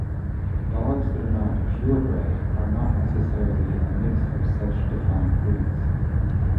Dogs that are not "purebred" are not necessarily a mix of such defined breeds.